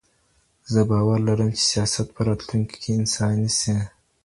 زه باور لرم چي سياست به په راتلونکي کي انساني سي.